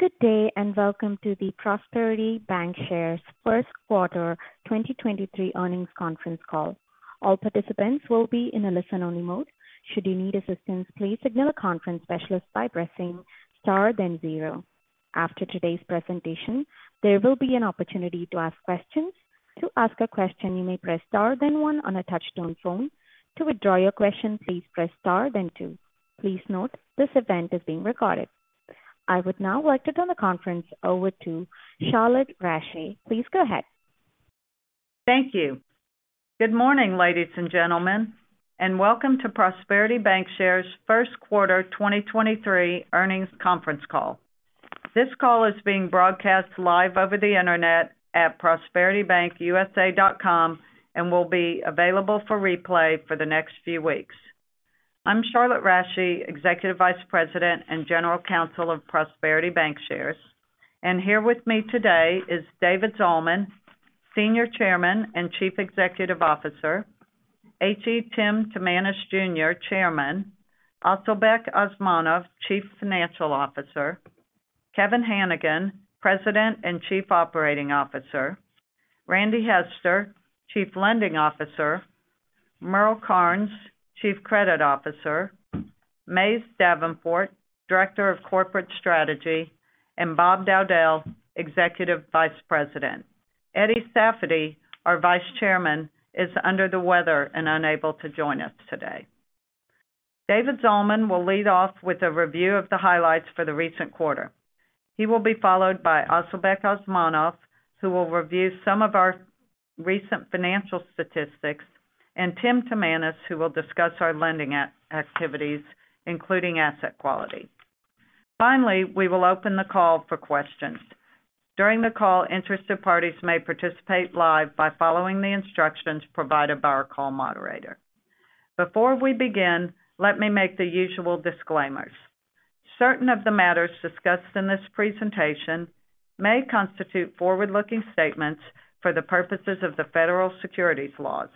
Good day and welcome to the Prosperity Bancshares first quarter 2023 earnings conference call. All participants will be in a listen-only mode. Should you need assistance, please signal a conference specialist by pressing star then zero. After today's presentation, there will be an opportunity to ask questions. To ask a question, you may press star then one on a touch-tone phone. To withdraw your question, please press star then two. Please note this event is being recorded. I would now like to turn the conference over to Charlotte Rasche. Please go ahead. Thank you. Good morning, ladies and gentlemen, and welcome to Prosperity Bancshares first quarter 2023 earnings conference call. This call is being broadcast live over the Internet at prosperitybankusa.com and will be available for replay for the next few weeks. I'm Charlotte Rasche, Executive Vice President and General Counsel of Prosperity Bancshares and here with me today is David Zalman, Senior Chairman and Chief Executive Officer. H.E. Tim Timanus Jr., Chairman. Asylbek Osmonov, Chief Financial Officer. Kevin Hanigan, President and Chief Operating Officer. Randy Hester, Chief Lending Officer. Merle Karnes, Chief Credit Officer. Mays Davenport, Director of Corporate Strategy, and Bob Dowdell, Executive Vice President. Eddie Safady, our Vice Chairman, is under the weather and unable to join us today. David Zalman will lead off with a review of the highlights for the recent quarter. He will be followed by Asylbek Osmonov, who will review some of our recent financial statistics, and Tim Timanus, who will discuss our lending activities, including asset quality. Finally, we will open the call for questions. During the call, interested parties may participate live by following the instructions provided by our call moderator. Before we begin, let me make the usual disclaimers. Certain of the matters discussed in this presentation may constitute forward-looking statements for the purposes of the federal securities laws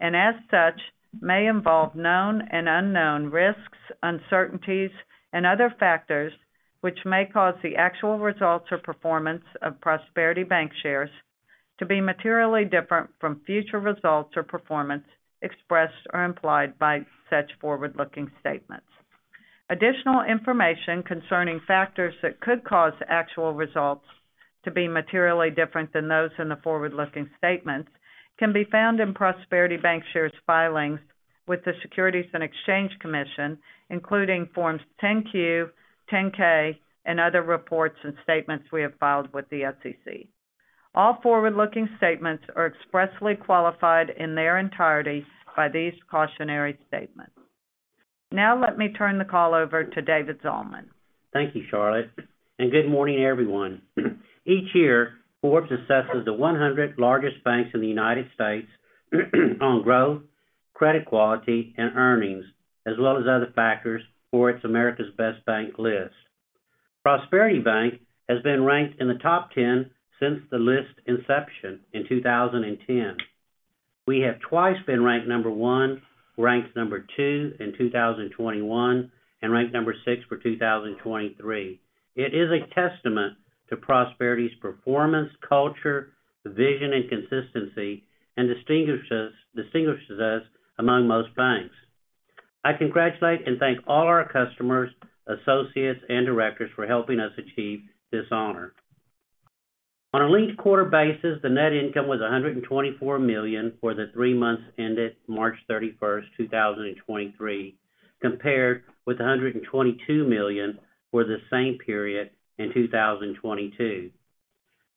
and, as such, may involve known and unknown risks, uncertainties and other factors which may cause the actual results or performance of Prosperity Bancshares to be materially different from future results or performance expressed or implied by such forward-looking statements. Additional information concerning factors that could cause actual results to be materially different than those in the forward-looking statements can be found in Prosperity Bancshares filings with the Securities and Exchange Commission, including Forms 10-Q, 10-K and other reports and statements we have filed with the SEC. All forward-looking statements are expressly qualified in their entirety by these cautionary statements. Now let me turn the call over to David Zalman. Thank you, Charlotte, and good morning, everyone. Each year, Forbes assesses the 100 largest banks in the United States on growth, credit quality, and earnings, as well as other factors for its America's Best Banks list. Prosperity Bank has been ranked in the top 10 since the list inception in 2010. We have twice been ranked number one, ranked number two in 2021, and ranked number six for 2023. It is a testament to Prosperity's performance, culture, vision and consistency and distinguishes us among most banks. I congratulate and thank all our customers, associates and directors for helping us achieve this honor. On a linked quarter basis, the net income was $124 million for the three months ended March 31st, 2023, compared with $122 million for the same period in 2022.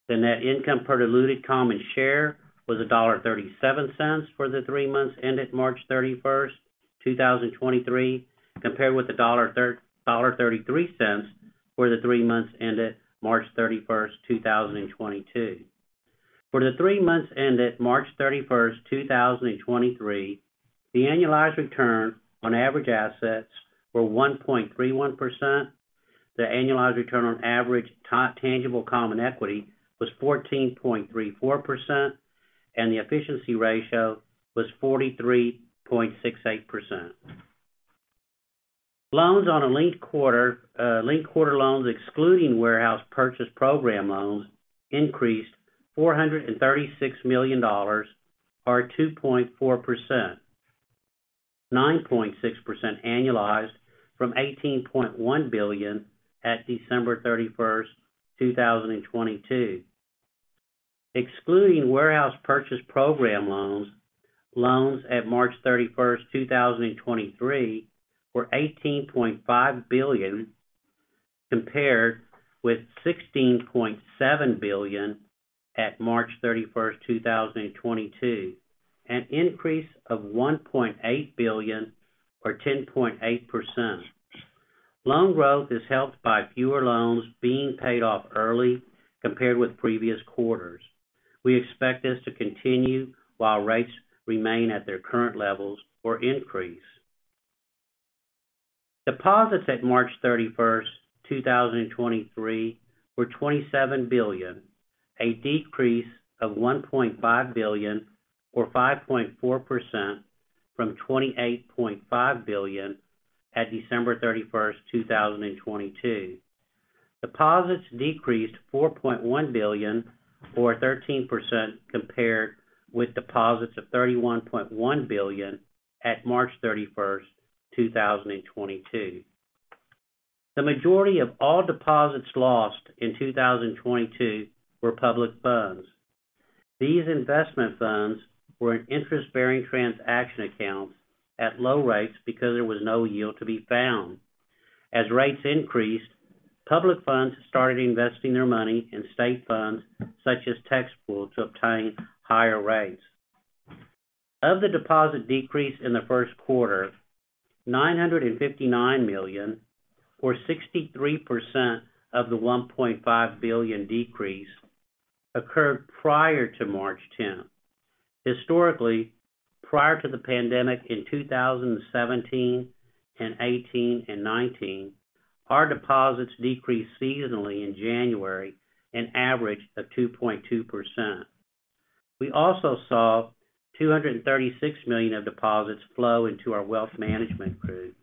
The net income per diluted common share was $1.37 for the three months ended March 31st, 2023, compared with $1.33 for the three months ended March 31st, 2022. For the three months ended March 31st, 2023, the annualized return on average assets were 1.31%. The annualized return on average tangible common equity was 14.34% and the efficiency ratio was 43.68%. Loans on a linked quarter, linked quarter loans excluding Warehouse Purchase Program loans increased $436 million or 2.4%. 9.6% annualized from $18.1 billion at December 31st, 2022. Excluding Warehouse Purchase Program loans at March 31st, 2023, were $18.5 billion, compared with $16.7 billion at March 31st, 2022, an increase of $1.8 billion or 10.8%. Loan growth is helped by fewer loans being paid off early compared with previous quarters. We expect this to continue while rates remain at their current levels or increase. Deposits at March 31st, 2023 were $27 billion. A decrease of $1.5 billion or 5.4% from $28.5 billion at December 31st, 2022. Deposits decreased $4.1 billion or 13% compared with deposits of $31.1 billion at March 31st, 2022. The majority of all deposits lost in 2022 were public funds. These investment funds were an interest-bearing transaction account at low rates because there was no yield to be found. As rates increased, public funds started investing their money in state funds, such as tax pools, to obtain higher rates. Of the deposit decrease in the first quarter, $959 million, or 63% of the $1.5 billion decrease, occurred prior to March 10th. Historically, prior to the pandemic in 2017, 2018, and 2019, our deposits decreased seasonally in January, an average of 2.2%. We also saw $236 million of deposits flow into our wealth management group.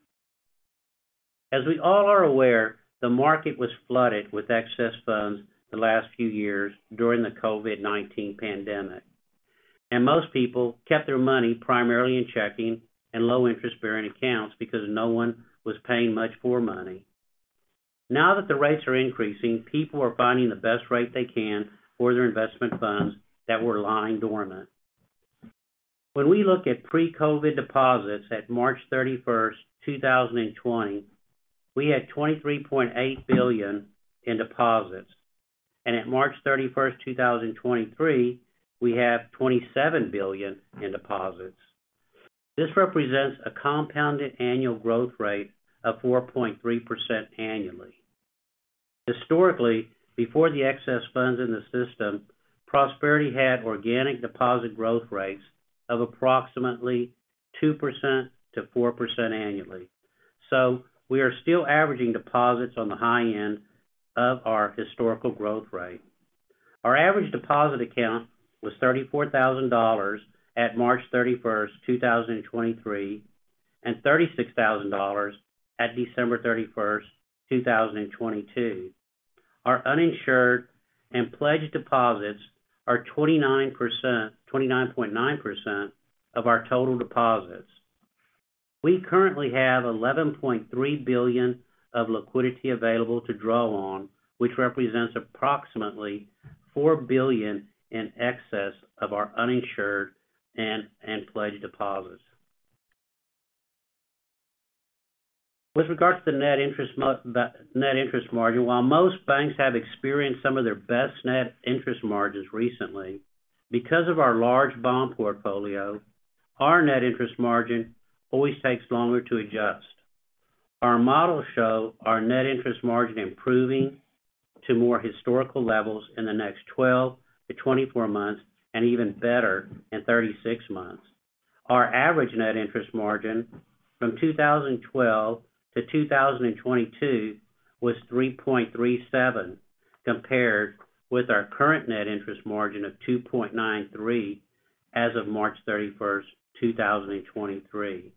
As we all are aware, the market was flooded with excess funds the last few years during the COVID-19 pandemic. Most people kept their money primarily in checking and low interest-bearing accounts because no one was paying much for money. Now that the rates are increasing, people are finding the best rate they can for their investment funds that were lying dormant. When we look at pre-COVID deposits at March 31st, 2020, we had $23.8 billion in deposits. At March 31st, 2023, we have $27 billion in deposits. This represents a compounded annual growth rate of 4.3% annually. Historically, before the excess funds in the system, Prosperity had organic deposit growth rates of approximately 2%-4% annually. We are still averaging deposits on the high end of our historical growth rate. Our average deposit account was $34,000 at March 31st, 2023, and $36,000 at December 31st, 2022. Our uninsured and pledged deposits are 29.9% of our total deposits. We currently have $11.3 billion of liquidity available to draw on, which represents approximately $4 billion in excess of our uninsured and pledged deposits. With regard to the net interest margin, while most banks have experienced some of their best net interest margins recently, because of our large bond portfolio, our net interest margin always takes longer to adjust. Our models show our net interest margin improving to more historical levels in the next 12-24 months and even better in 36 months. Our average net interest margin from 2012 to 2022 was 3.37, compared with our current net interest margin of 2.93 as of March 31st, 2023.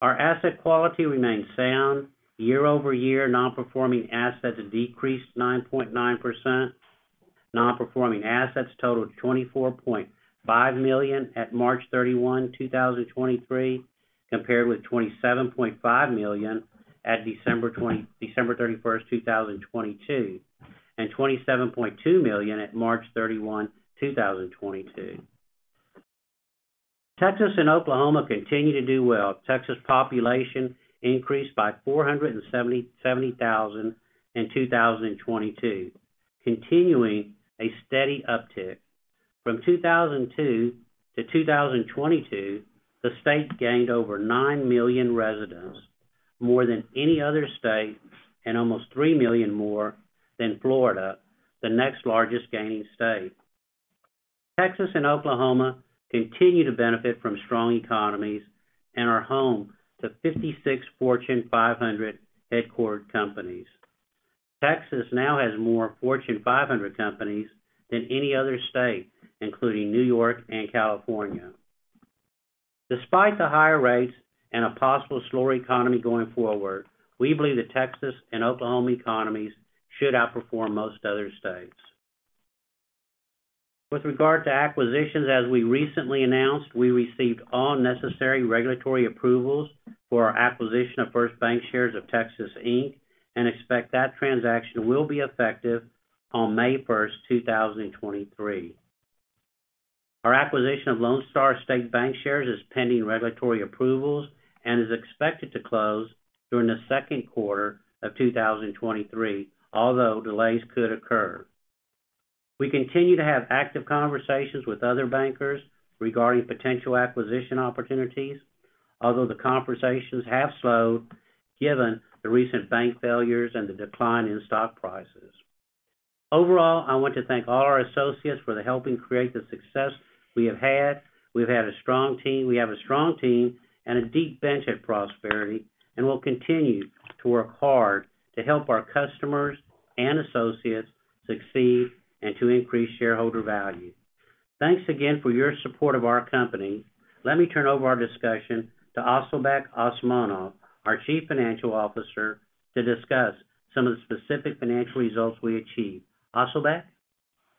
Our asset quality remains sound. Year-over-year non-performing assets decreased 9.9%. Non-performing assets totaled $24.5 million at March 31, 2023, compared with $27.5 million at December 31st, 2022, and $27.2 million at March 31, 2022. Texas and Oklahoma continue to do well. Texas population increased by 470,000 in 2022, continuing a steady uptick. From 2002 to 2022, the state gained over nine million residents, more than any other state and almost three million more than Florida, the next largest gaining state. Texas and Oklahoma continue to benefit from strong economies and are home to 56 Fortune 500 headquarter companies. Texas now has more Fortune 500 companies than any other state, including New York and California. Despite the higher rates and a possible slower economy going forward, we believe the Texas and Oklahoma economies should outperform most other states. With regard to acquisitions, as we recently announced, we received all necessary regulatory approvals for our acquisition of First Bancshares of Texas, Inc. and expect that transaction will be effective on May 1st, 2023. Our acquisition of Lone Star State Bancshares is pending regulatory approvals and is expected to close during the second quarter of 2023, although delays could occur. We continue to have active conversations with other bankers regarding potential acquisition opportunities, although the conversations have slowed given the recent bank failures and the decline in stock prices. Overall, I want to thank all our associates for helping create the success we have had. We have a strong team and a deep bench at Prosperity, and we'll continue to work hard to help our customers and associates succeed and to increase shareholder value. Thanks again for your support of our company. Let me turn over our discussion to Asylbek Osmonov, our Chief Financial Officer, to discuss some of the specific financial results we achieved. Asylbek?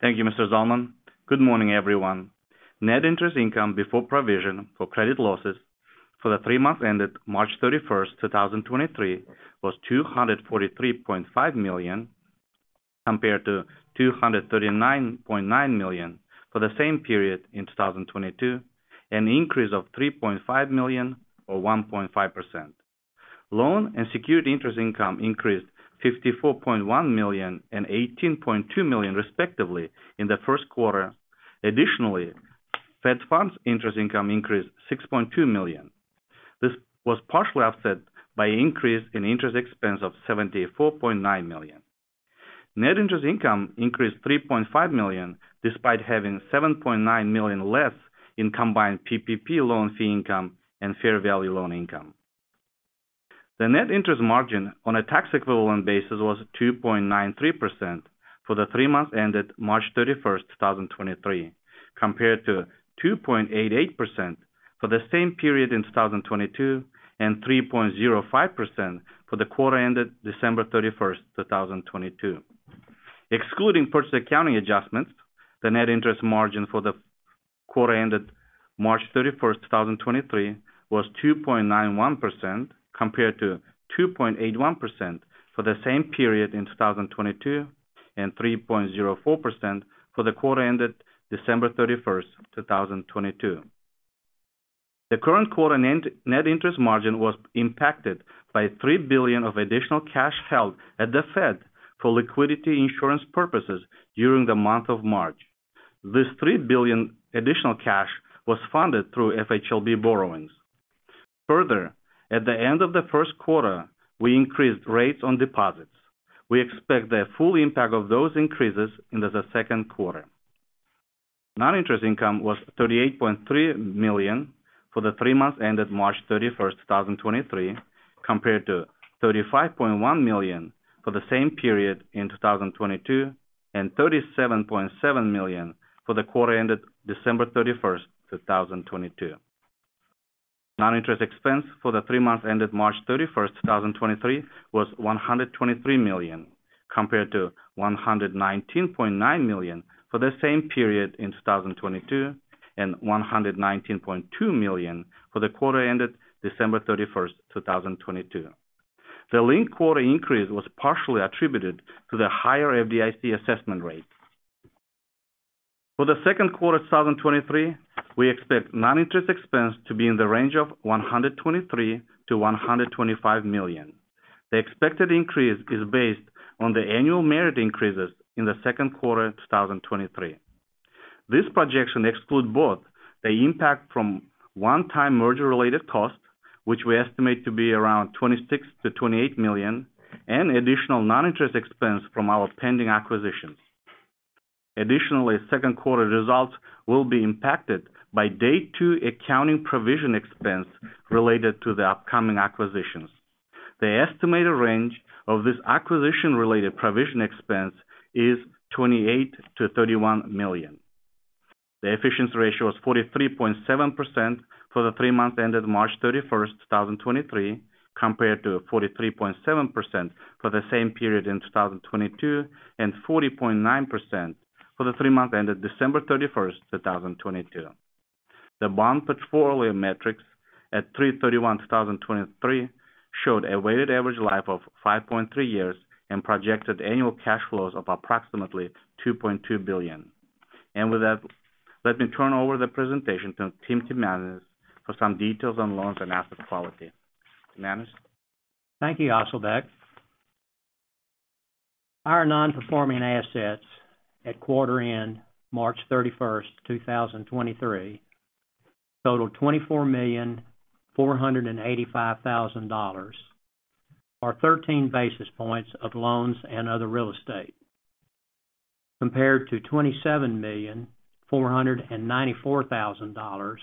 Thank you, Mr. Zalman. Good morning, everyone. Net interest income before provision for credit losses for the three months ended March 31st, 2023, was $243.5 million, compared to $239.9 million for the same period in 2022, an increase of $3.5 million or 1.5%. Loan and security interest income increased $54.1 million and $18.2 million, respectively, in the first quarter. Additionally, Fed funds interest income increased $6.2 million. This was partially offset by increase in interest expense of $74.9 million. Net interest income increased $3.5 million, despite having $7.9 million less in combined PPP loan fee income and fair value loan income. The net interest margin on a tax equivalent basis was 2.93% for the three months ended March 31st, 2023, compared to 2.88% for the same period in 2022 and 3.05% for the quarter ended December 31st, 2022. Excluding purchase accounting adjustments, the net interest margin for the quarter ended March 31st, 2023, was 2.91% compared to 2.81% for the same period in 2022 and 3.04% for the quarter ended December 31st, 2022. The current quarter net interest margin was impacted by $3 billion of additional cash held at the Fed for liquidity insurance purposes during the month of March. This $3 billion additional cash was funded through FHLB borrowings. At the end of the first quarter, we increased rates on deposits. We expect the full impact of those increases into the second quarter. Non-interest income was $38.3 million for the three months ended March 31st, 2023, compared to $35.1 million for the same period in 2022 and $37.7 million for the quarter ended December 31st, 2022. Non-interest expense for the three months ended March 31st, 2023, was $123 million, compared to $119.9 million for the same period in 2022 and $119.2 million for the quarter ended December 31st, 2022. The linked quarter increase was partially attributed to the higher FDIC assessment rate. For the second quarter 2023, we expect non-interest expense to be in the range of $123 million-$125 million. The expected increase is based on the annual merit increases in the second quarter of 2023. This projection excludes both the impact from one-time merger-related costs, which we estimate to be around $26 million-$28 million, and additional non-interest expense from our pending acquisitions. Additionally, second quarter results will be impacted by Day Two accounting provision expense related to the upcoming acquisitions. The estimated range of this acquisition-related provision expense is $28 million-$31 million. The efficiency ratio was 43.7% for the three months ended March 31st, 2023, compared to 43.7% for the same period in 2022 and 40.9% for the three months ended December 31st, 2022. The bond portfolio metrics at 3/31/2023 showed a weighted average life of 5.3 years and projected annual cash flows of approximately $2.2 billion. With that, let me turn over the presentation to Tim Timanus for some details on loans and asset quality. Timanus? Thank you, Asylbek. Our non-performing assets at quarter end March 31, 2023, totaled $24,485,000, or 13 basis points of loans and other real estate, compared to $27,494,000,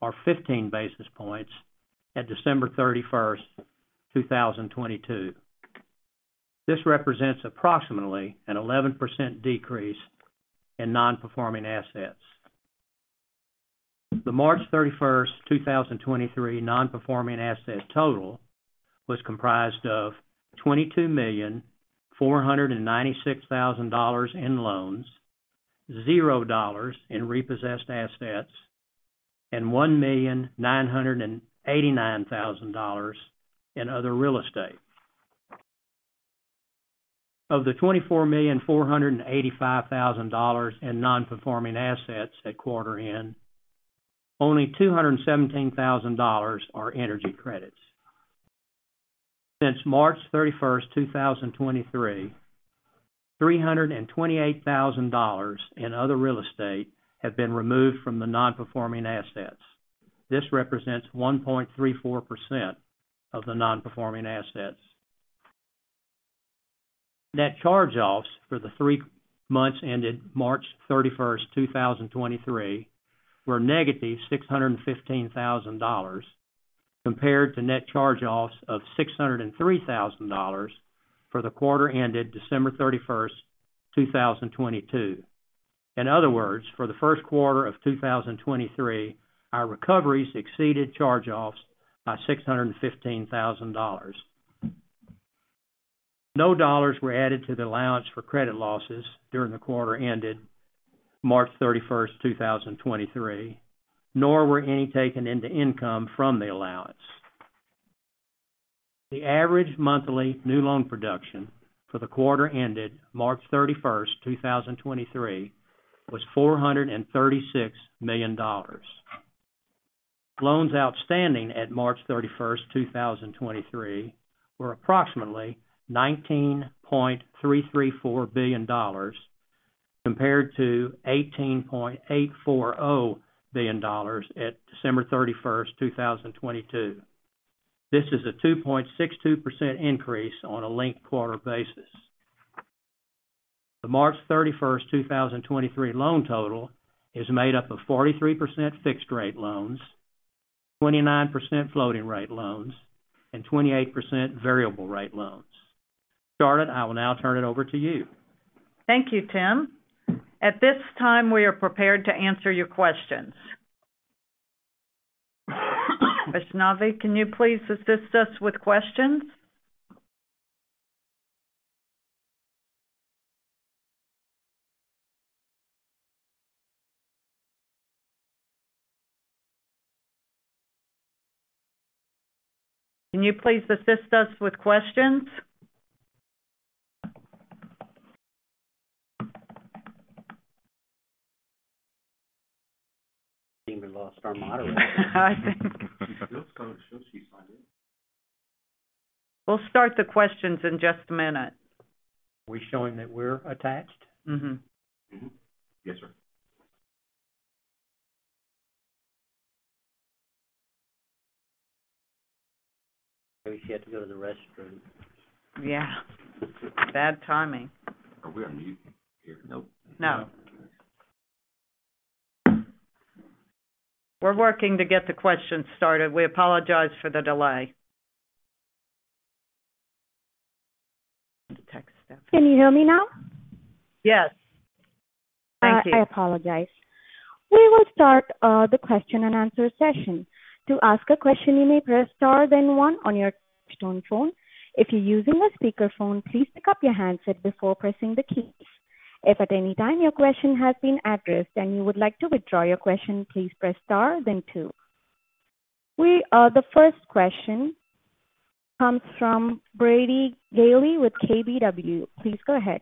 or 15 basis points at December 31, 2022. This represents approximately an 11% decrease in non-performing assets. The March 31st, 2023, non-performing assets total was comprised of $22,496,000 in loans, $0 in repossessed assets, and $1,989,000 in other real estate. Of the $24,485,000 in non-performing assets at quarter end, only $217,000 are energy credits. Since March 31st, 2023, $328,000 in other real estate have been removed from the non-performing assets. This represents 1.34% of the non-performing assets. Net charge-offs for the three months ended March 31st, 2023, were -$615,000. Compared to net charge-offs of $603,000 for the quarter ended December 31, 2022. In other words, for the first quarter of 2023, our recoveries exceeded charge-offs by $615,000. No dollars were added to the allowance for credit losses during the quarter ended March 31st, 2023, nor were any taken into income from the allowance. The average monthly new loan production for the quarter ended March 31st, 2023, was $436 million. Loans outstanding at March 31st, 2023, were approximately $19.334 billion compared to $18.840 billion at December 31st, 2022. This is a 2.62% increase on a linked quarter basis. The March 31, 2023, loan total is made up of 43% fixed rate loans, 29% floating rate loans, and 28% variable rate loans. Charlotte, I will now turn it over to you. Thank you, Tim. At this time, we are prepared to answer your questions. Vishnavi, can you please assist us with questions? Seemed we lost our moderator. It shows she's signed in. We'll start the questions in just a minute. Are we showing that we're attached? Mm-hmm. Mm-hmm. Yes, sir. Maybe she had to go to the restroom. Yeah. Bad timing. Are we on mute here? Nope. No. We're working to get the questions started. We apologize for the delay. Can you hear me now? Yes. Thank you. I apologize. We will start the question-and-answer session. To ask a question, you may press star then one on your touchtone phone. If you're using a speaker phone, please pick up your handset before pressing the keys. If at any time your question has been addressed and you would like to withdraw your question, please press star then two. The first question comes from Brady Gailey with KBW. Please go ahead.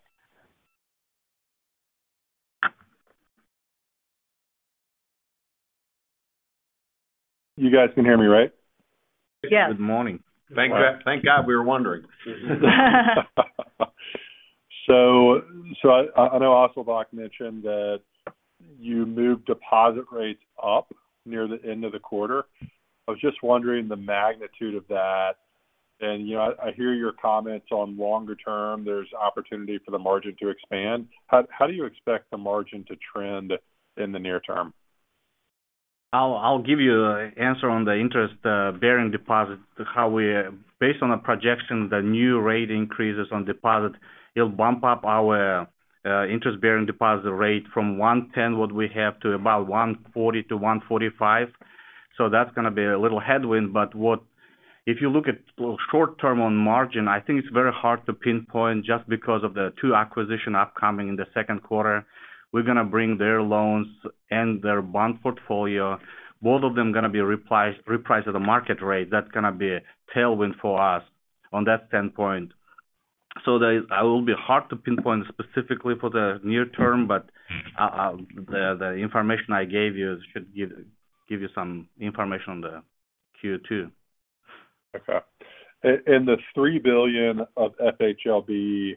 You guys can hear me, right? Yes. Good morning. Thank God, we were wondering. I know Asylbek mentioned that you moved deposit rates up near the end of the quarter. I was just wondering the magnitude of that. You know, I hear your comments on longer term, there's opportunity for the margin to expand. How do you expect the margin to trend in the near term? I'll give you answer on the interest-bearing deposit, based on the projection, the new rate increases on deposit, it'll bump up our interest-bearing deposit rate from 1.10, what we have, to about 1.40-1.45. That's going to be a little headwind. If you look at short term on margin, I think it's very hard to pinpoint just because of the two-acquisition upcoming in the second quarter. We're going to bring their loans and their bond portfolio, both of them going to be repriced at the market rate. That's going to be a tailwind for us on that standpoint. It will be hard to pinpoint specifically for the near term, but the information I gave you should give you some information on the Q2. Okay. The $3 billion of FHLB,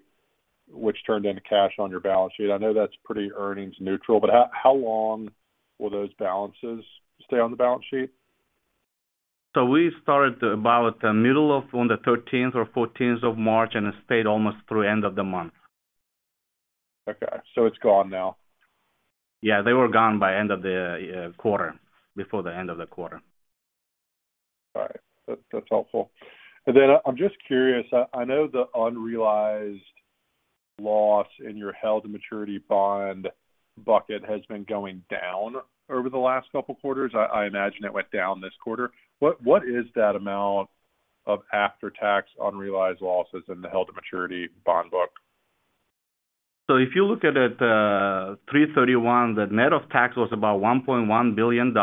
which turned into cash on your balance sheet, I know that's pretty earnings neutral, how long will those balances stay on the balance sheet? We started about the middle of on the 13th or 14th of March, and it stayed almost through end of the month. Okay. It's gone now? Yeah. They were gone by end of the quarter, before the end of the quarter. All right. That's helpful. Then I'm just curious, I know the unrealized loss in your held maturity bond bucket has been going down over the last couple quarters. I imagine it went down this quarter. What is that amount of after-tax unrealized losses in the held maturity bond book? If you look at it, 3/31, the net of tax was about $1.1 billion.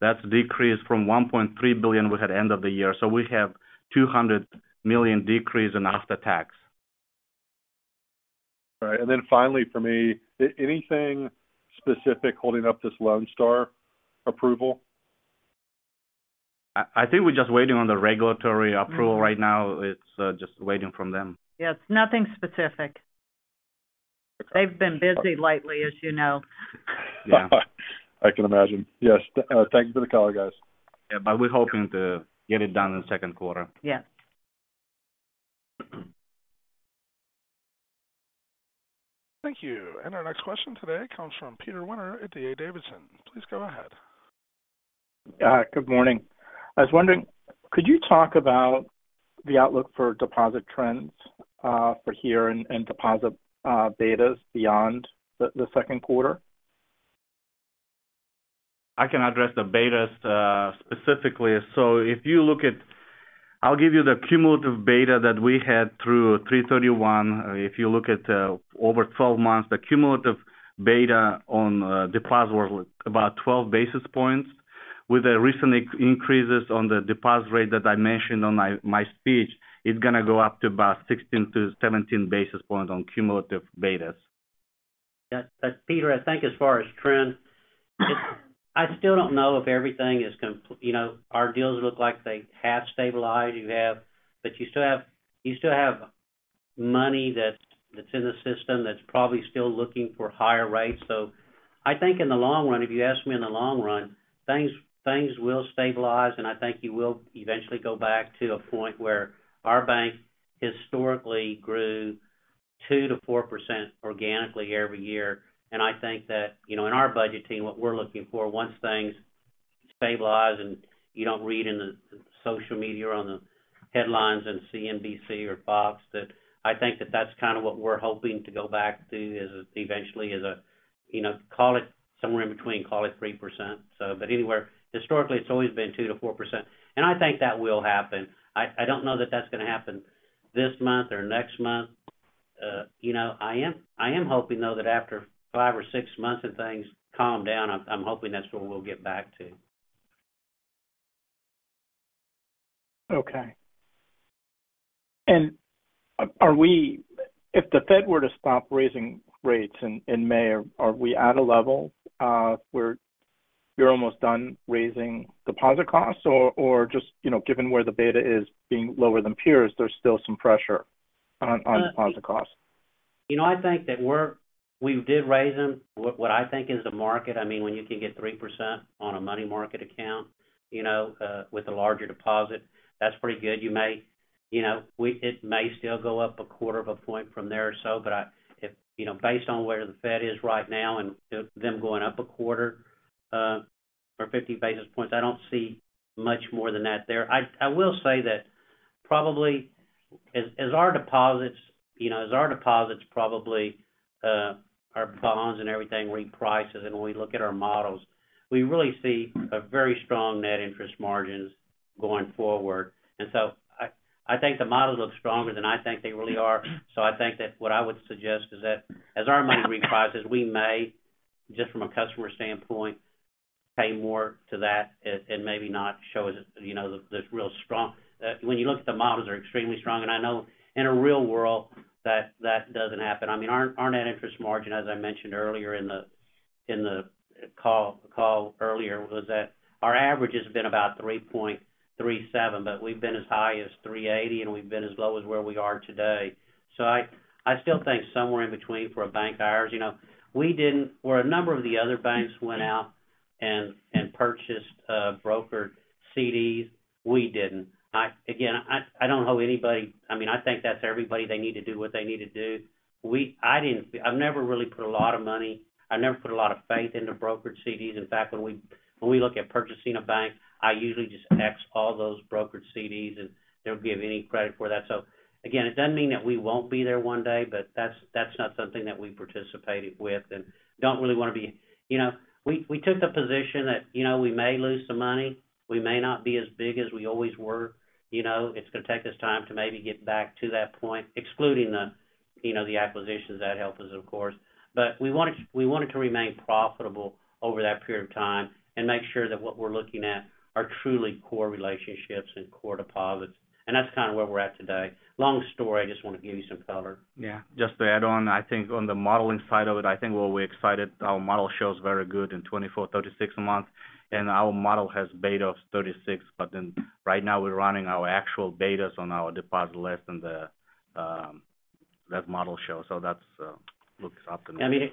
That's decreased from $1.3 billion we had end of the year. We have a $200 million decrease in after tax. Right. Then finally for me, anything specific holding up this Lone Star approval? I think we're just waiting on the regulatory approval right now. It's just waiting from them. Yeah. It's nothing specific. They've been busy lately, as you know. I can imagine. Yes. Thank you for the call, guys. Yeah. We're hoping to get it done in the second quarter. Yeah. Thank you. Our next question today comes from Peter Winter at D.A. Davidson. Please go ahead. Good morning. I was wondering, could you talk about the outlook for deposit trends for here and deposit betas beyond the second quarter? I can address the betas, specifically. If you look at... I'll give you the cumulative beta that we had through 3/31. If you look at, over 12 months, the cumulative beta on deposits was about 12 basis points. With the recent increases on the deposit rate that I mentioned on my speech, it's going to go up to about 16-17 basis points on cumulative betas. Yeah. Peter, I think as far as trend, I still don't know if everything is, you know, our deals look like they have stabilized. You still have money that's in the system that's probably still looking for higher rates. I think in the long run, if you ask me in the long run, things will stabilize, and I think you will eventually go back to a point where our bank historically grew 2% to 4% organically every year. I think that, you know, in our budget team, what we're looking for once things stabilize and you don't read in the social media or on the headlines on CNBC or Fox that I think that's kind of what we're hoping to go back to is eventually is a, you know, call it somewhere in between, call it 3%, anywhere. Historically, it's always been 2%-4%, and I think that will happen. I don't know that that's going to happen this month or next month. You know, I am hoping, though, that after five or six months and things calm down, I'm hoping that's where we'll get back to. Okay. Are we... If the Fed were to stop raising rates in May, are we at a level where you're almost done raising deposit costs? Or just, you know, given where the beta is being lower than peers, there's still some pressure on deposit costs. You know, I think that we did raise them. What I think is the market, I mean, when you can get 3% on a money market account, you know, with a larger deposit, that's pretty good. You may, you know, it may still go up a quarter of a point from there, but if, you know, based on where the Fed is right now and them going up a quarter, or 50 basis points, I don't see much more than that there. I will say that probably as our deposits probably, our bonds and everything reprices and when we look at our models, we really see a very strong net interest margins going forward. I think the models look stronger than I think they really are. I think that what I would suggest is that as our money reprices, we may, just from a customer standpoint, pay more to that and maybe not show as, you know, the real strong. When you look at the models are extremely strong, and I know in a real world that doesn't happen. I mean, our net interest margin, as I mentioned earlier in the call earlier, was that our average has been about 3.37%, but we've been as high as 3.80%, and we've been as low as where we are today. I still think somewhere in between for a bank ours. You know, we didn't. Where a number of the other banks went out and purchased brokered CDs, we didn't. Again, I don't owe anybody, I mean, I think that's everybody. They need to do what they need to do. I've never really put a lot of money. I never put a lot of faith into brokered CDs. In fact, when we look at purchasing a bank, I usually just X all those brokered CDs, and they'll give any credit for that. Again, it doesn't mean that we won't be there one day, but that's not something that we participated with and don't really want to be. We took the position that, you know, we may lose some money. We may not be as big as we always were. It's going to take us time to maybe get back to that point, excluding the, you know, the acquisitions. That helps us, of course. We wanted to remain profitable over that period of time and make sure that what we're looking at are truly core relationships and core deposits. That's kind of where we're at today. Long story. I just wanted to give you some color. Yeah. Just to add on, I think on the modeling side of it, we're excited. Our model shows very good in 24, 36 months. Our model has beta of 36. Right now, we're running our actual betas on our deposit list than that model show. That's looks optimistic. I mean,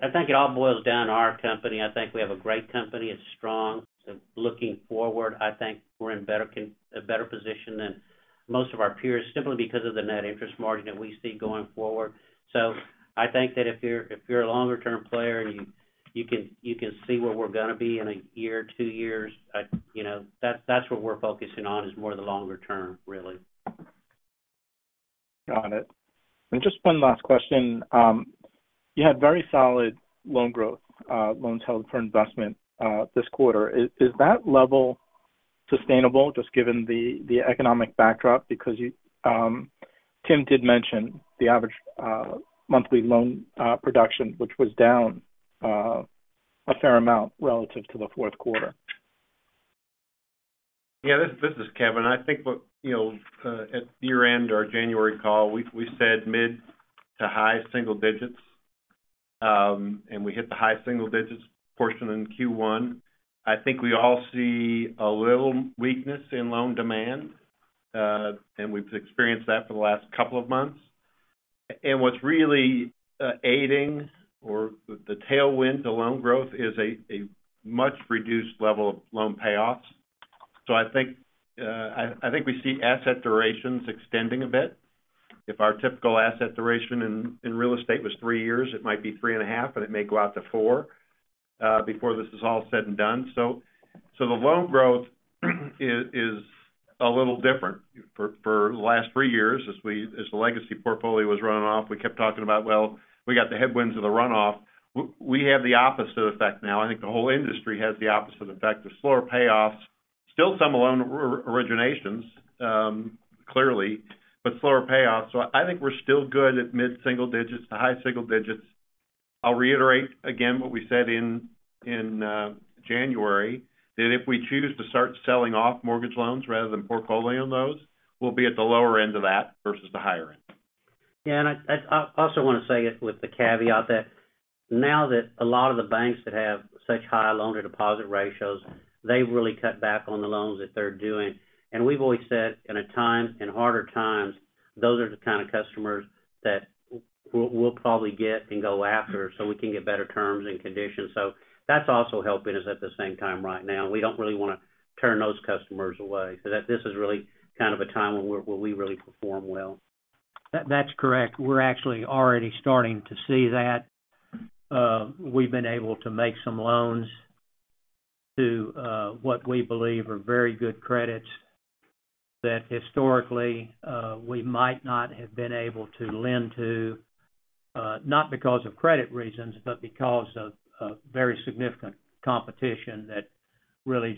I think it all boils down to our company. I think we have a great company. It's strong. Looking forward, I think we're in a better position than most of our peers simply because of the net interest margin that we see going forward. I think that if you're a longer-term player and you can see where we're going to be in a year, two years, you know, that's what we're focusing on, is more the longer term, really. Got it. Just one last question. You had very solid loan growth, loans held for investment, this quarter. Is that level sustainable just given the economic backdrop? Because Tim did mention the average monthly loan production, which was down a fair amount relative to the fourth quarter. Yeah. This is Kevin. I think what, you know, at year-end or January call, we said mid to high single digits, and we hit the high single digits portion in Q1. I think we all see a little weakness in loan demand, and we've experienced that for the last couple of months. What's really aiding or the tailwind to loan growth is a much-reduced level of loan payoffs. I think we see asset durations extending a bit. If our typical asset duration in real estate was three years, it might be 3.5, but it may go out to four before this is all said and done. The loan growth is a little different. For the last three years, as the legacy portfolio was running off, we kept talking about, well, we got the headwinds of the runoff. We have the opposite effect now. I think the whole industry has the opposite effect of slower payoffs. Still some loan originations, clearly, but slower payoffs. I think we're still good at mid-single digits to high single digits. I'll reiterate again what we said in January, that if we choose to start selling off mortgage loans rather than portfolio on those, we'll be at the lower end of that versus the higher end. Yeah, I also want to say it with the caveat that now that a lot of the banks that have such high loan-to-deposit ratios, they've really cut back on the loans that they're doing. We've always said in a time, in harder times, those are the kind of customers that we'll probably get and go after so we can get better terms and conditions. That's also helping us at the same time right now. We don't really want to turn those customers away. This is really kind of a time where we really perform well. That's correct. We're actually already starting to see that. We've been able to make some loans to what we believe are very good credits that historically, we might not have been able to lend to, not because of credit reasons, but because of very significant competition that really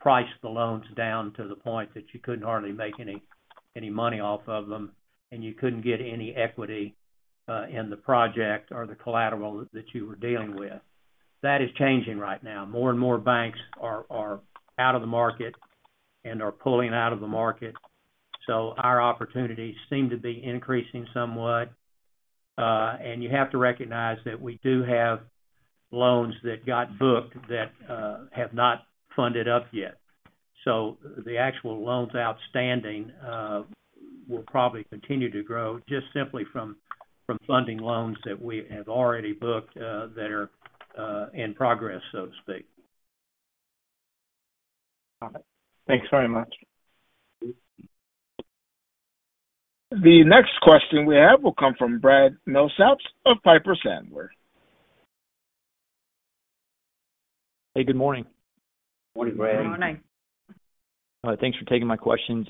priced the loans down to the point that you couldn't hardly make any money off of them, and you couldn't get any equity in the project or the collateral that you were dealing with. That is changing right now. More and more banks are out of the market and are pulling out of the market. Our opportunities seem to be increasing somewhat. You have to recognize that we do have loans that got booked that have not funded up yet. The actual loans outstanding, will probably continue to grow just simply from funding loans that we have already booked, that are, in progress, so to speak. Got it. Thanks very much. The next question we have will come from Brad Milsaps of Piper Sandler. Hey, good morning. Morning, Brad. Morning. All right. Thanks for taking my questions.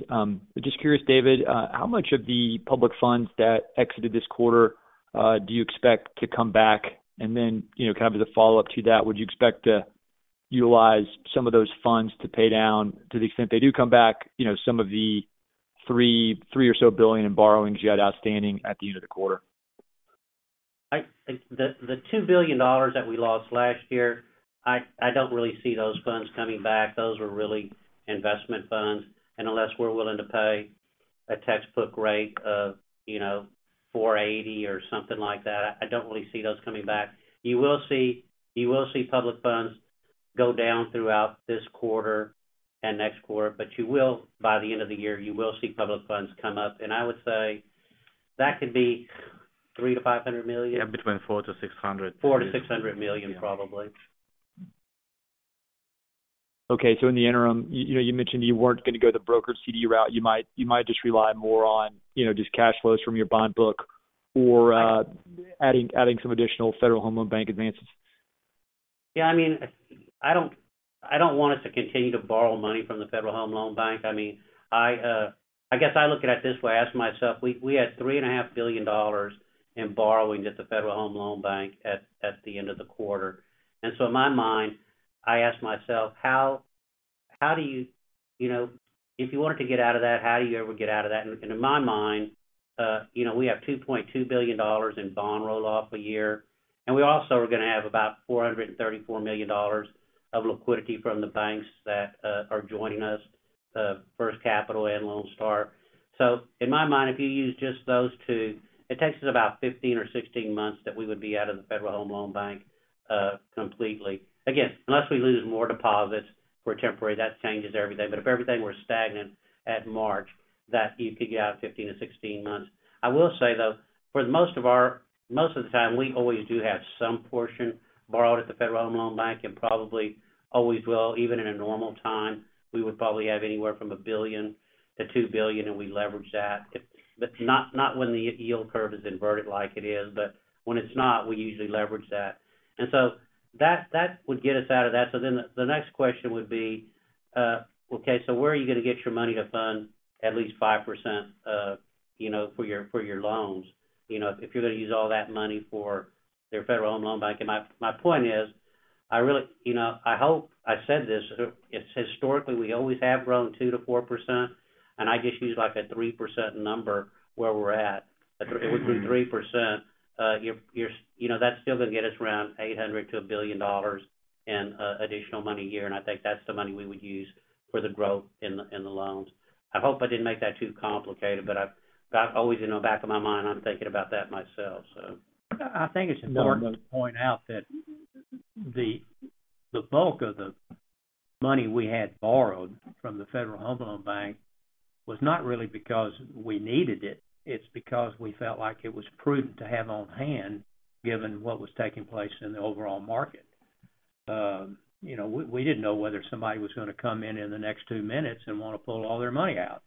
Just curious, David, how much of the public funds that exited this quarter, do you expect to come back? Kind of as a follow-up to that, would you expect to utilize some of those funds to pay down, to the extent they do come back, some of the $3 billion or so in borrowings you had outstanding at the end of the quarter? The $2 billion that we lost last year, I don't really see those funds coming back. Those were really investment funds. Unless we're willing to pay a textbook rate of, you know, 4.80 or something like that, I don't really see those coming back. You will see public funds go down throughout this quarter and next quarter, by the end of the year, you will see public funds come up. I would say that could be $300 million-$500 million. Yeah, between $400 million-$600 million. $400 million-$600 million, probably. Okay. In the interim, you know, you mentioned you weren't going to go the brokered CD route. You might just rely more on, you know, just cash flows from your bond book or adding some additional Federal Home Loan Bank advances. Yeah, I mean, I don't want us to continue to borrow money from the Federal Home Loan Bank. I mean, I guess I look at it this way. I ask myself, we had three and a half billion dollars in borrowings at the Federal Home Loan Bank at the end of the quarter. In my mind, I ask myself: You know, if you wanted to get out of that, how do you ever get out of that? In my mind, you know, we have $2.2 billion in bond roll-off a year, and we also are going to have about $434 million of liquidity from the banks that are joining us, FirstCapital and Lone Star. In my mind, if you use just those two, it takes us about 15 or 16 months that we would be out of the Federal Home Loan Bank completely. Unless we lose more deposits for temporary, that changes every day. If everything were stagnant at March, that you could get out in 15 to 16 months. I will say, though, for most of the time, we always do have some portion borrowed at the Federal Home Loan Bank and probably always will. Even in a normal time, we would probably have anywhere from $1 billion-$2 billion, we leverage that. Not when the yield curve is inverted like it is, but when it's not, we usually leverage that. That would get us out of that. The next question would be, okay, where are you going to get your money to fund at least 5% of, you know, for your loans? You know, if you're going to use all that money for their Federal Home Loan Bank. My point is, you know, I hope I said this. It's historically, we always have grown 2%-4%, I just use, like, a 3% number where we're at. If it was 3%, ytwoou know, that's still going to get us around $800 million to $1 billion in additional money a year, I think that's the money we would use for the growth in the loans. I hope I didn't make that too complicated, but that always in the back of my mind, I'm thinking about that myself, so. I think it's important to point out that the bulk of the money we had borrowed from the Federal Home Loan Bank. Was not really because we needed it's because we felt like it was prudent to have on hand given what was taking place in the overall market. you know, we didn't know whether somebody was going to come in in the next two minutes and want to pull all their money out,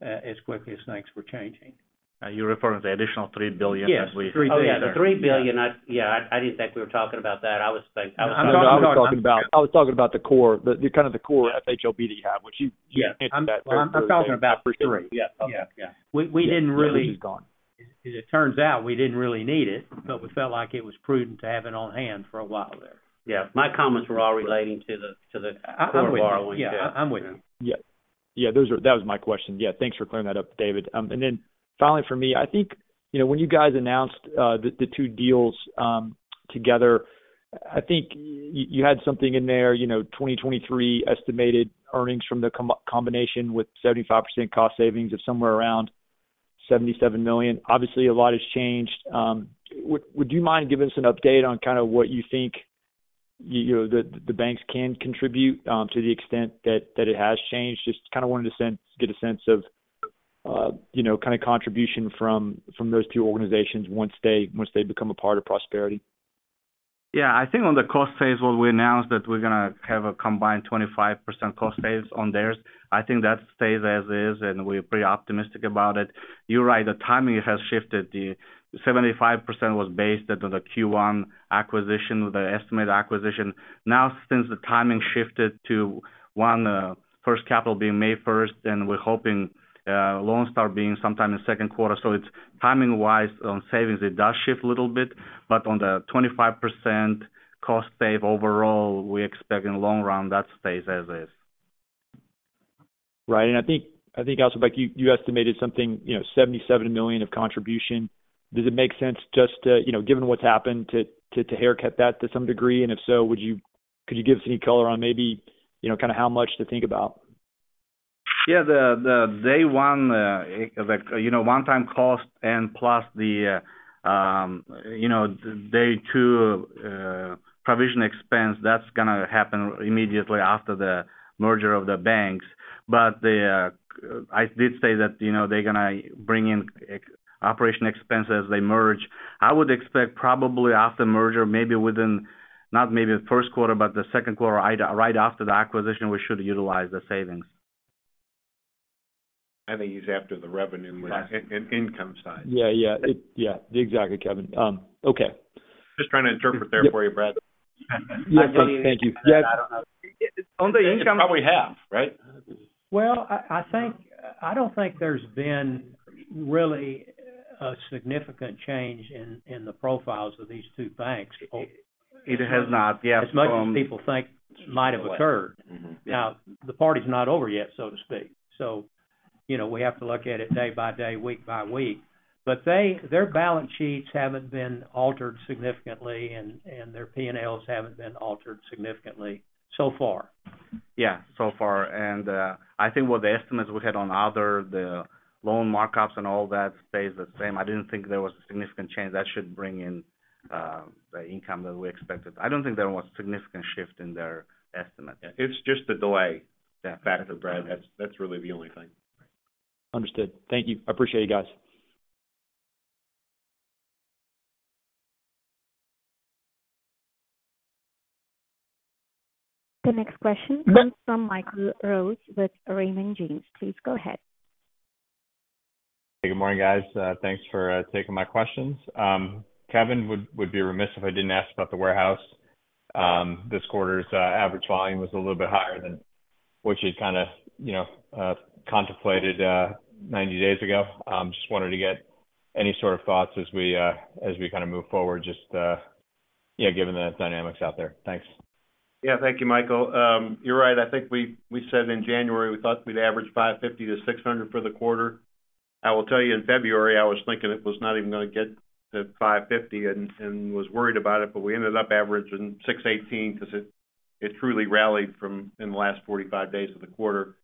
as quickly as things were changing. Are you referring to the additional $3 billion? Yes. $3 billion. Oh, yeah, the $3 billion, yeah, I didn't think we were talking about that. No, I was talking about the core, the kind of the core FHLB that you have, which you hinted at earlier. Yeah. I'm talking about the three. Yeah. Okay. Yeah. We didn't really- Yeah, this is gone. As it turns out, we didn't really need it, but we felt like it was prudent to have it on hand for a while there. Yeah. My comments were all relating to the core borrowing. I'm with you. Yeah, I'm with you. Yeah, that was my question. Thanks for clearing that up, David. Finally for me, I think, you know, when you guys announced the two deals together, I think you had something in there, you know, 2023 estimated earnings from the combination with 75% cost savings of somewhere around $77 million. Obviously, a lot has changed. Would you mind giving us an update on kind of what you think, you know, the banks can contribute to the extent that it has changed? Just kind of wanted to get a sense of, you know, kind of contribution from those two organizations once they become a part of Prosperity. I think on the cost save, what we announced that we're going to have a combined 25% cost save on theirs, I think that stays as is. We're pretty optimistic about it. You're right, the timing has shifted. The 75% was based under the Q1 acquisition, the estimated acquisition. Now, since the timing shifted to one, FirstCapital being May 1st, and we're hoping Lone Star being sometime in second quarter. It's timing-wise on savings, it does shift a little bit, but on the 25% cost save overall, we expect in the long run that stays as is. Right. I think also, like, you estimated something, you know, $77 million of contribution. Does it make sense just to, you know, given what's happened, to haircut that to some degree? If so, could you give us any color on maybe, you know, kind of how much to think about? Yeah. The Day One, like, you know, one-time cost and plus the, you know, Day Two provision expense, that's going to happen immediately after the merger of the banks. I did say that, you know, they're going to bring in operation expenses as they merge. I would expect probably after merger, maybe within, not maybe the first quarter, but the second quarter, right after the acquisition, we should utilize the savings. I think he's after the revenue and income side. Yeah, yeah. Yeah, exactly, Kevin. okay. Just trying to interpret there for you, Brad. Yeah. Thank you. I don't even know. I don't know. On the income- It's probably half, right? Well, I don't think there's been really a significant change in the profiles of these two banks. It has not, yeah. As much as people think might have occurred. Mm-hmm. The party's not over yet, so to speak. You know, we have to look at it day by day, week by week. Their balance sheets haven't been altered significantly and their P&Ls haven't been altered significantly so far. Yeah, so far. I think what the estimates we had on other, the loan markups and all that stays the same. I didn't think there was a significant change that should bring in the income that we expected. I don't think there was significant shift in their estimate. It's just the delay factor, Brad. That's really the only thing. Understood. Thank you. I appreciate it, guys. The next question comes from Michael Rose with Raymond James. Please go ahead. Good morning, guys. Thanks for taking my questions. Kevin, would be remiss if I didn't ask about the Warehouse. This quarter's average volume was a little bit higher than what you kind of, you know, contemplated, 90 days ago. Just wanted to get any sort of thoughts as we kind of move forward just, yeah, given the dynamics out there. Thanks. Yeah. Thank you, Michael. You're right. I think we said in January, we thought we'd average $550-$600 for the quarter. I will tell you, in February, I was thinking it was not even going to get to $550 and was worried about it. We ended up averaging $618 'cause it truly rallied from in the last 45 days of the quarter,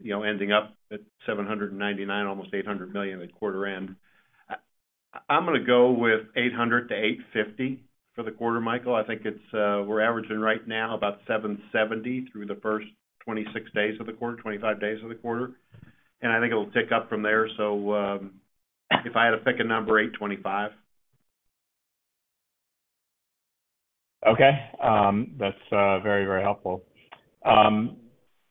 you know, ending up at $799, almost $800 million at quarter end. I'm going to go with $800-$850 for the quarter, Michael. I think it's, we're averaging right now about $770 through the first 26 days of the quarter, 25 days of the quarter. I think it'll tick up from there. If I had to pick a number, $825. That's very, very helpful.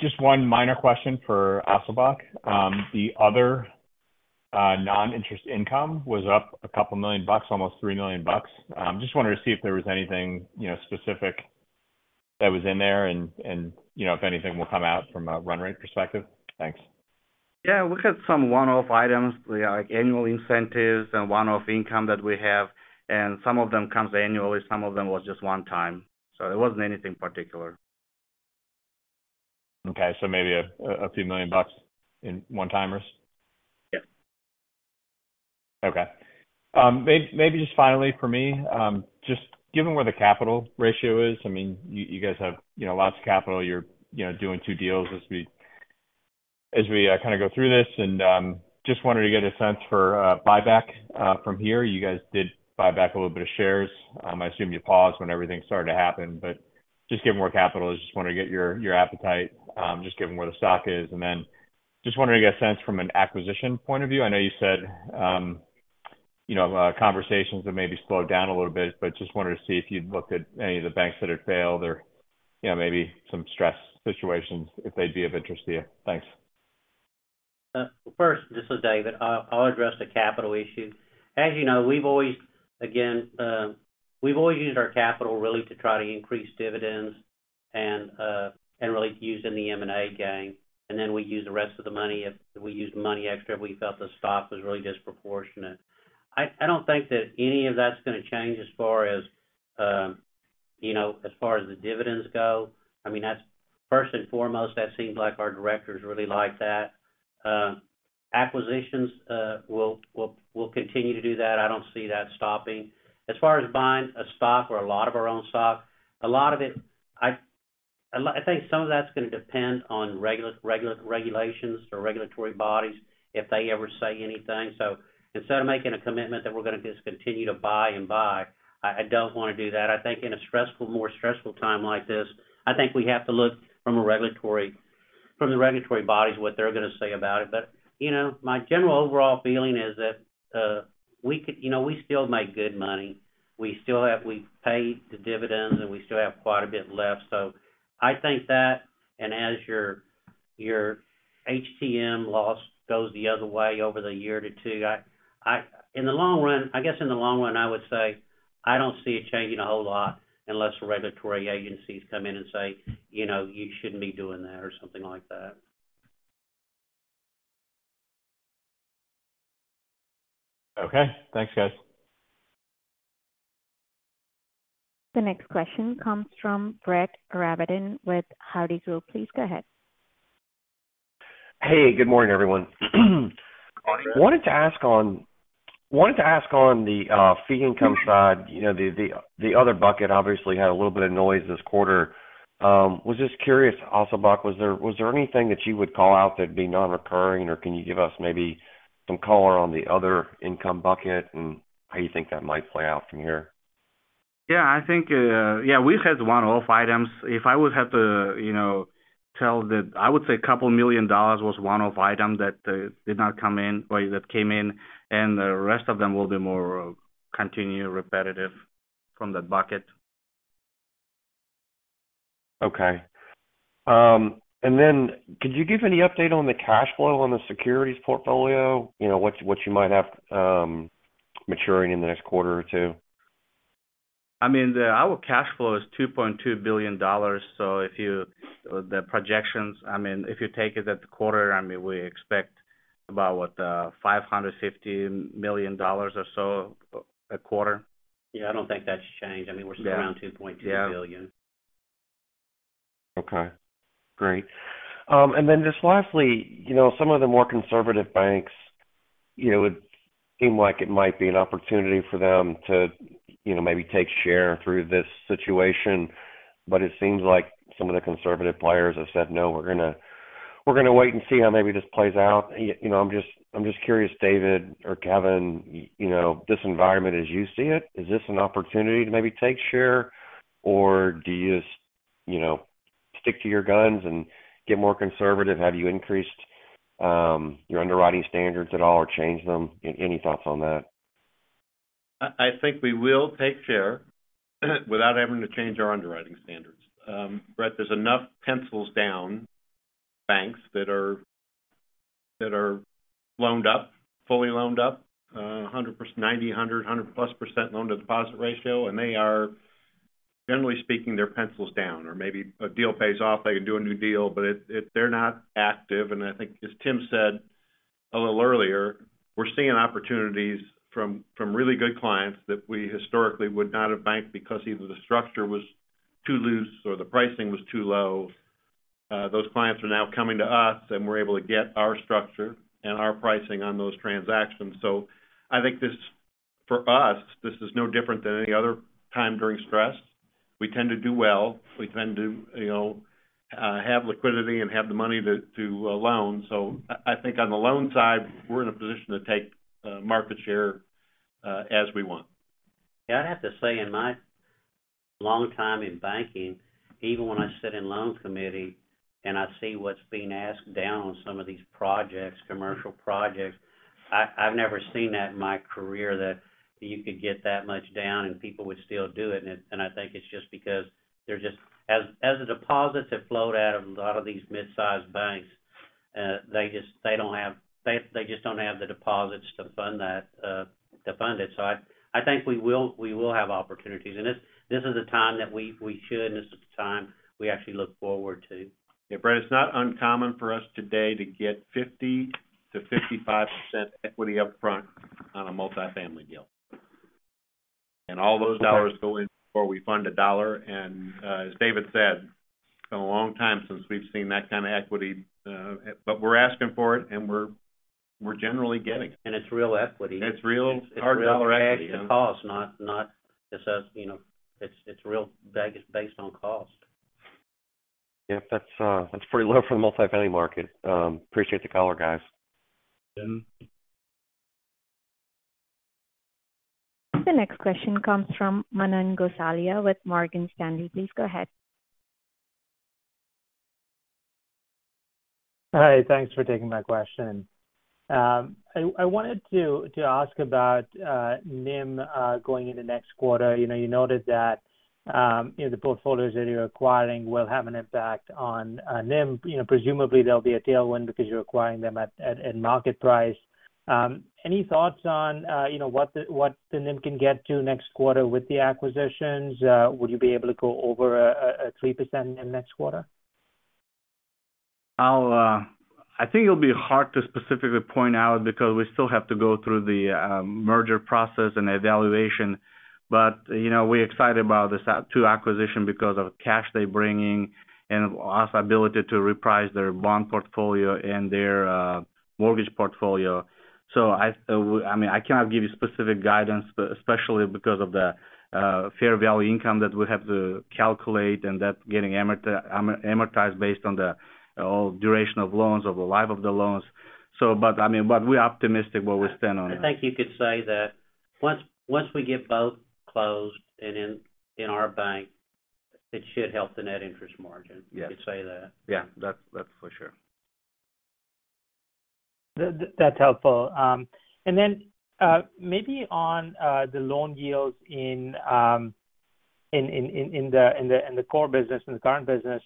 Just one minor question for Asylbek. The other non-interest income was up a couple million dollars, almost $3 million. Just wanted to see if there was anything, you know, specific that was in there and, you know, if anything will come out from a run rate perspective. Thanks. Yeah. We had some one-off items, like annual incentives and one-off income that we have, and some of them comes annually, some of them was just one time. It wasn't anything particular. Okay. Maybe a few million bucks in one-timers? Yeah. Okay. maybe just finally for me, just given where the capital ratio is, I mean, you guys have, you know, lots of capital. You're, you know, doing two deals as we kind of go through this and just wanted to get a sense for, buyback, from here. You guys did buy back a little bit of shares. I assume you paused when everything started to happen, but just give more capital. I just want to get your appetite, just given where the stock is. Then just wondering to get a sense from an acquisition point of view. I know you said, you know, conversations have maybe slowed down a little bit but just wanted to see if you'd looked at any of the banks that had failed or, you know, maybe some stress situations if they'd be of interest to you. Thanks. First, this is David, I'll address the capital issue. As you know, we've always, again, we've always used our capital really to try to increase dividends and really use in the M&A gang, and then we use the money extra if we felt the stock was really disproportionate. I don't think that any of that's going to change as far as, you know, as far as the dividends go. I mean, that's first and foremost, that seems like our directors really like that. Acquisitions, we'll continue to do that. I don't see that stopping. As far as buying a stock or a lot of our own stock, a lot of it, I think some of that's going to depend on regulations or regulatory bodies if they ever say anything. Instead of making a commitment that we're going to just continue to buy and buy, I don't want to do that. I think in a stressful, more stressful time like this, I think we have to look from the regulatory bodies what they're going to say about it. You know, my general overall feeling is that we could-- You know, we still make good money. We've paid the dividends. We still have quite a bit left. I think that and as your HTM loss goes the other way over the year to two. I guess in the long run, I would say I don't see it changing a whole lot unless the regulatory agencies come in and say, you know, you shouldn't be doing that or something like that. Okay. Thanks, guys. The next question comes from Brett Rabatin with Hovde Group. Please go ahead. Hey, good morning, everyone. Wanted to ask on the fee income side. You know, the other bucket obviously had a little bit of noise this quarter. Was just curious also, Asylbek, was there anything that you would call out that'd be non-recurring? Can you give us maybe some color on the other income bucket and how you think that might play out from here? Yeah, I think, yeah, we've had one-off items. If I would have to, you know, tell that I would say a $2 million was one-off item that did not come in or that came in, and the rest of them will be more of continued repetitive from that bucket. Okay. Could you give any update on the cash flow on the securities portfolio? You know, what you might have maturing in the next quarter or two? I mean, our cash flow is $2.2 billion. The projections, I mean, if you take it at the quarter, I mean, we expect about $550 million or so a quarter. Yeah, I don't think that's changed. Yeah. I mean, we're still around $2.2 billion. Okay. Great. Then just lastly, you know, some of the more conservative banks, you know, it seemed like it might be an opportunity for them to, you know, maybe take share through this situation. It seems like some of the conservative players have said, "No, we're going to wait and see how maybe this plays out." I'm just curious, David or Kevin, you know, this environment as you see it, is this an opportunity to maybe take share? Do you just, you know, stick to your guns and get more conservative? Have you increased your underwriting standards at all or changed them? Any thoughts on that? I think we will take share without having to change our underwriting standards. Brett, there's enough pencils down banks that are loaned up, fully loaned up, 90%, 100%, 100%+ loan-to-deposit ratio, and they are, generally speaking, their pencil's down or maybe a deal pays off, they can do a new deal. They're not active. I think as Tim said a little earlier, we're seeing opportunities from really good clients that we historically would not have banked because either the structure was too loose or the pricing was too low. Those clients are now coming to us, and we're able to get our structure and our pricing on those transactions. I think this, for us, this is no different than any other time during stress. We tend to do well. We tend to, you know, have liquidity and have the money to loan. I think on the loan side, we're in a position to take market share as we want. Yeah. I'd have to say in my long time in banking, even when I sit in loan committee and I see what's being asked down on some of these projects, commercial projects, I've never seen that in my career that you could get that much down, and people would still do it. I think it's just because they're just as the deposits have flowed out of a lot of these mid-sized banks, they just they don't have they just don't have the deposits to fund that to fund it. I think we will have opportunities. This is a time that we should, and this is a time we actually look forward to. Yeah. Brett, it's not uncommon for us today to get 50%-55% equity upfront on a multifamily deal. All those dollars go in before we fund $1. As David said, it's been a long time since we've seen that kind of equity, but we're asking for it, and we're generally getting it. It's real equity. It's real hard dollar equity. It's real cash. It costs, not just us, you know, it's real. That is based on cost. Yep. That's pretty low for the multifamily market. Appreciate the color, guys. The next question comes from Manan Gosalia with Morgan Stanley. Please go ahead. Hi. Thanks for taking my question. I wanted to ask about NIM going into next quarter. You know, you noted that, you know, the portfolios that you're acquiring will have an impact on NIM. You know, presumably there'll be a tailwind because you're acquiring them at market price. Any thoughts on, you know, what the NIM can get to next quarter with the acquisitions? Would you be able to go over a 3% NIM next quarter? I'll, I think it'll be hard to specifically point out because we still have to go through the merger process and the evaluation. You know, we're excited about this two acquisitions because of cash they're bringing and also ability to reprice their bond portfolio and their mortgage portfolio. I mean, I cannot give you specific guidance, but especially because of the fair value income that we have to calculate and that getting amortized based on the duration of loans or the life of the loans. I mean, we're optimistic what we stand on it. I think you could say that once we get both closed and, in our bank, it should help the net interest margin. Yeah. You could say that. Yeah. That's for sure. That's helpful. Maybe on the loan yields in the core business, in the current business,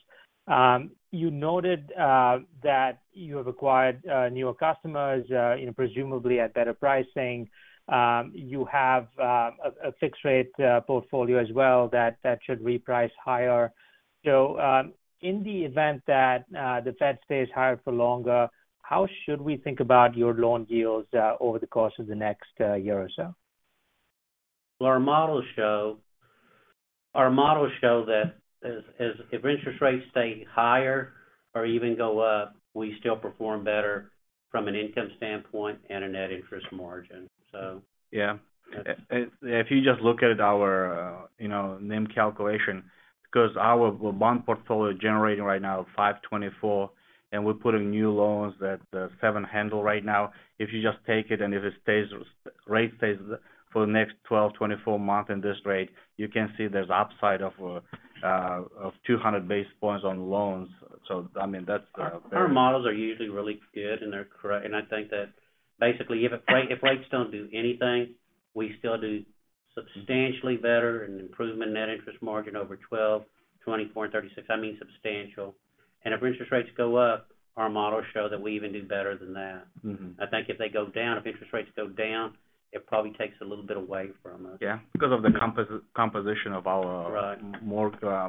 you noted that you have acquired newer customers, you know, presumably at better pricing. You have a fixed rate portfolio as well that should reprice higher. In the event that the Fed stays higher for longer, how should we think about your loan yields over the course of the next year or so? Well, our models show that if interest rates stay higher or even go up, we still perform better from an income standpoint and a net interest margin, so. Yeah. If you just look at our, you know, NIM calculation, because our bond portfolio generating right now 5.24%, and we're putting new loans at seven handles right now. If you just take it and if it stays or rate stays for the next 12, 24 months in this rate, you can see there's upside of 200 basis points on loans. I mean, that's very- Our models are usually really good, and I think that basically if rates don't do anything, we still do substantially better in improvement net interest margin over 12, 24 and 36. I mean, substantial. If interest rates go up, our models show that we even do better than that. Mm-hmm. I think if they go down, if interest rates go down, it probably takes a little bit away from us. Yeah. Because of the composition of... Right. -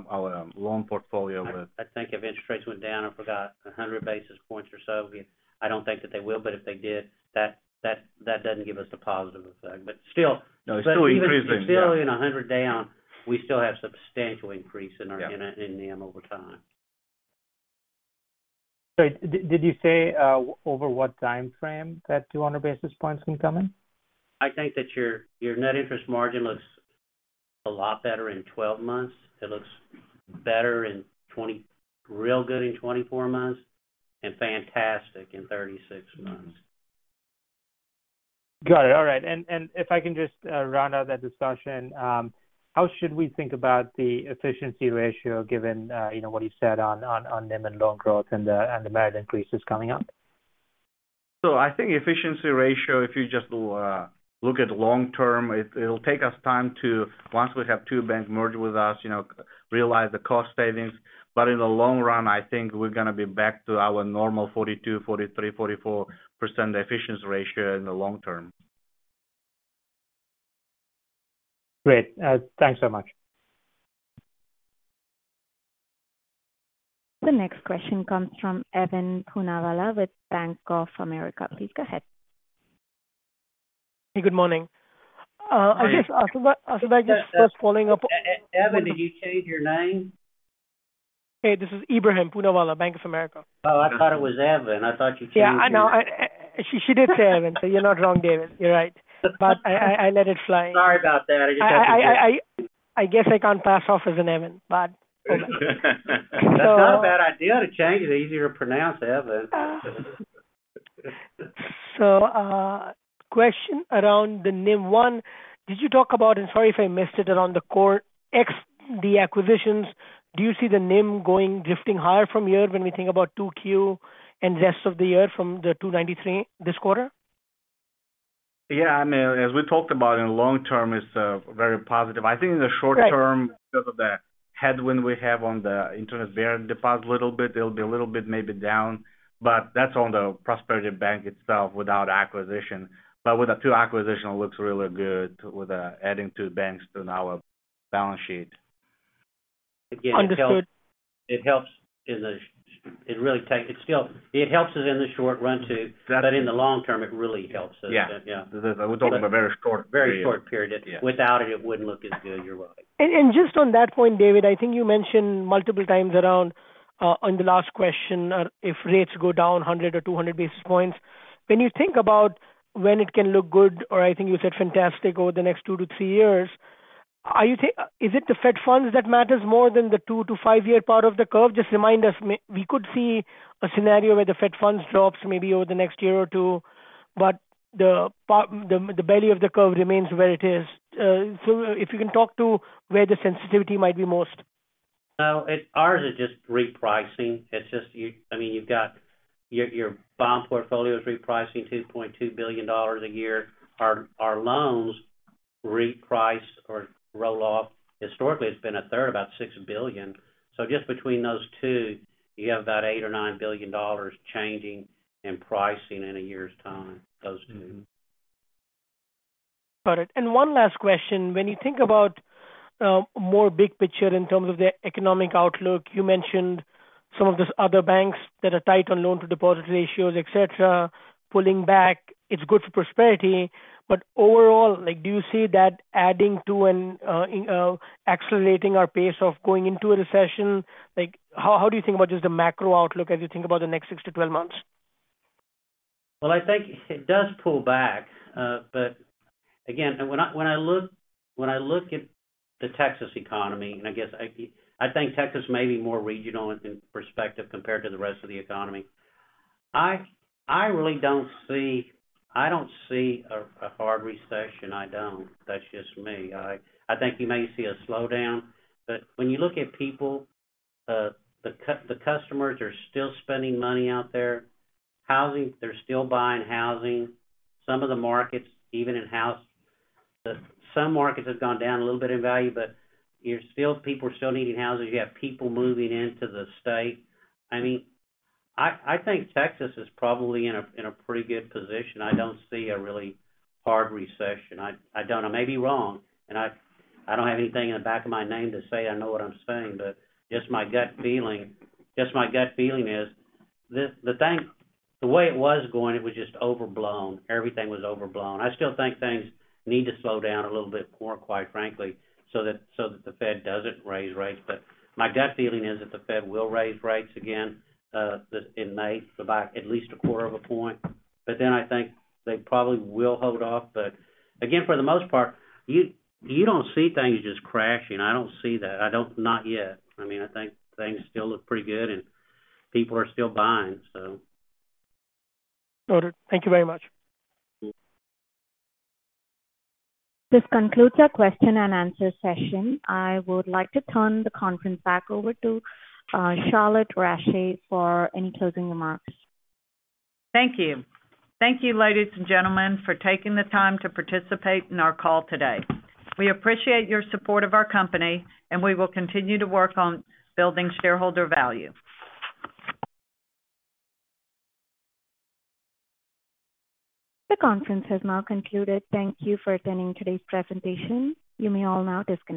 our loan portfolio with- I think if interest rates went down or forgot 100 basis points or so, I don't think that they will, but if they did, that doesn't give us a positive effect. Still. No, it's still increasing. even in 100 down, we still have substantial increase in our... Yeah. -in NIM over time. Sorry, did you say over what timeframe that 200 basis points can come in? I think that your net interest margin looks a lot better in 12 months, real good in 24 months and fantastic in 36 months. Mm-hmm. Got it. All right. If I can just round out that discussion, how should we think about the efficiency ratio given, you know, what you said on NIM and loan growth and the merit increases coming up? I think efficiency ratio, if you just look at long-term, it'll take us time once we have two banks merge with us, you know, realize the cost savings. In the long run, I think we're going to be back to our normal 42%, 43%, 44% efficiency ratio in the long term. Great. Thanks so much. The next question comes from Ebrahim Poonawala with Bank of America. Please go ahead. Good morning. Hi. Also just. Ebrahim, did you change your name? Hey, this is Ebrahim Poonawala, Bank of America. Oh, I thought it was Evan. I thought you changed your- Yeah. She did say Evan, so you're not wrong, David. You're right. I let it slide. Sorry about that. I just have to- I guess I can't pass off as an Evan, but. That's not a bad idea to change. It's easier to pronounce Evan. Question around the NIM one? Did you talk about, and sorry if I missed it, around the core, ex the acquisitions, do you see the NIM going drifting higher from here when we think about 2Q and rest of the year from the 2.93% this quarter? Yeah. I mean, as we talked about in long term, it's very positive. I think in the short term- Right.... because of the headwind we have on the interest-bearing deposit a little bit, it'll be a little bit maybe down. That's on the Prosperity Bank itself without acquisition. With the two acquisitions, it looks really good with adding two banks to now our balance sheet. Understood. It helps us in the short run too. That's- In the long term, it really helps us. Yeah. Yeah. We're talking about very short period. Very short period. Yeah. Without it wouldn't look as good, you're right. Just on that point, David, I think you mentioned multiple times around, on the last question, if rates go down 100 or 200 basis points. When you think about when it can look good, or I think you said fantastic over the next two to three years? Is it the Fed funds that matters more than the two to five-year part of the curve? Just remind us. We could see a scenario where the Fed funds drop maybe over the next year or two, but the part, the belly of the curve remains where it is. So, if you can talk to where the sensitivity might be most. No, it's ours is just repricing. I mean, you've got your bond portfolio is repricing $2.2 billion a year. Our loans reprice or roll off. Historically, it's been a third, about $6 billion. Just between those two, you have about $8 billion or $9 billion changing and pricing in a year's time, those two. Got it. One last question. When you think about more big picture in terms of the economic outlook, you mentioned some of these other banks that are tight on loan-to-deposit ratios, et cetera, pulling back. It's good for Prosperity. Overall, like, do you see that adding to an, you know, accelerating our pace of going into a recession? Like how do you think about just the macro outlook as you think about the next 6-12 months? Well, I think it does pull back. Again, when I look at the Texas economy, and I guess I think Texas may be more regional in perspective compared to the rest of the economy. I don't see a hard recession. I don't. That's just me. I think you may see a slowdown, when you look at people, the customers are still spending money out there. Housing, they're still buying housing. Some of the markets, even in house, some markets have gone down a little bit in value, but people are still needing houses. You have people moving into the state. I mean, I think Texas is probably in a, in a pretty good position. I don't see a really hard recession. I don't. I may be wrong, and I don't have anything in the back of my name to say I know what I'm saying, but just my gut feeling, just my gut feeling is the bank, the way it was going, it was just overblown. Everything was overblown. I still think things need to slow down a little bit more, quite frankly, so that the Fed doesn't raise rates. My gut feeling is that the Fed will raise rates again, this in May for about at least a quarter of a point. I think they probably will hold off. Again, for the most part, you don't see things just crashing. I don't see that. I don't not yet. I mean, I think things still look pretty good and people are still buying, so. Got it. Thank you very much. This concludes our question and answer session. I would like to turn the conference back over to Charlotte Rasche for any closing remarks. Thank you. Thank you, ladies and gentlemen, for taking the time to participate in our call today. We appreciate your support of our company, and we will continue to work on building shareholder value. The conference has now concluded. Thank you for attending today's presentation. You may all now disconnect.